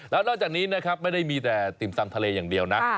แล้วนอกจากนี้นะครับไม่ได้มีแต่ติ่มสังทะเลอย่างเดียวนะ